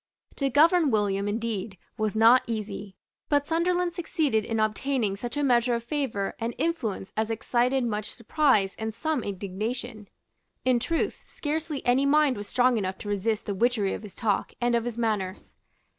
To govern William, indeed, was not easy. But Sunderland succeeded in obtaining such a measure of favour and influence as excited much surprise and some indignation. In truth, scarcely any mind was strong enough to resist the witchery of his talk and of his manners.